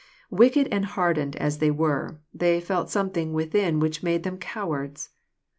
Wicked and hardened as thej'^ were, they felt something within which made them cowards.